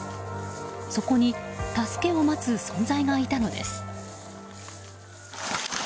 そこに、助けを待つ存在がいたのです。